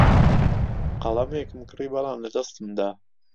قەڵەمێکم کڕی، بەڵام لەدەستم دا.